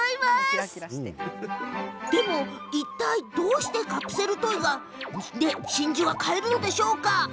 でも、いったいどうしてカプセルトイで真珠が買えるんでしょうか？